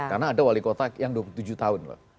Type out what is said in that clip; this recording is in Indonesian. karena ada wali kotak yang dua puluh tujuh tahun loh